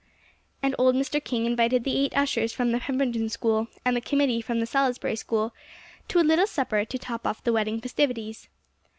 And old Mr. King invited the eight ushers from the Pemberton School and the committee from the Salisbury School to a little supper to top off the wedding festivities.